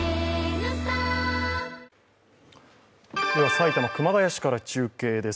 埼玉・熊谷市から中継です。